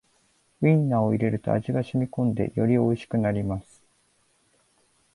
ウインナーを入れると味がしみこんでよりおいしくなります